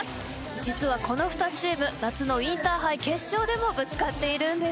実は、この２チーム夏のインターハイ決勝でもぶつかっているんです。